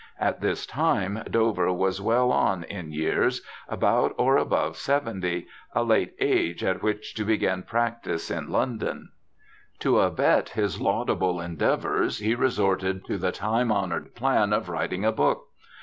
At this time Dover was well on in years, about or above seventy, a late age at which to begin practice in London. To abet his laudable endeavours he resorted to the 28 BIOGRAPHICAL ESSAYS time honoured plan of writing a book.